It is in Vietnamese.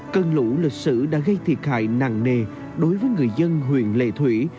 cơn lũ lịch sử đã gây thiệt hại nặng nề đối với người dân huyện lệ thủy